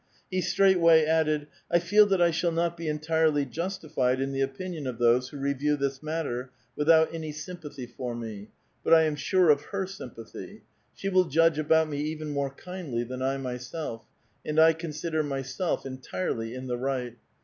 He straightway added :—^^ 1 feel that I shall not be entirely justified in the opinion of those who review this matter without any sympathy for me ; but I am sure of her sympathy. She will judge about me even more kindly than I myself, and I consider myself entirely in the right.